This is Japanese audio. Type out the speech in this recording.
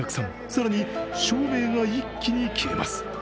更に照明が一気に消えます。